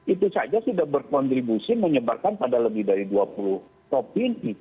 itu saja sudah berkontribusi menyebarkan pada lebih dari dua puluh provinsi